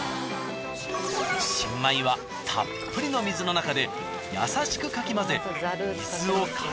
新米はたっぷりの水の中で優しくかき混ぜ水を替える。